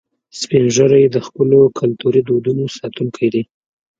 سپین ږیری د خپلو کلتوري دودونو ساتونکي دي